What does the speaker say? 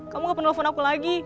kamu gak perlu nelfon aku lagi